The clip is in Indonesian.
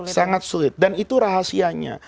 sangat sulit dan itu rahasianya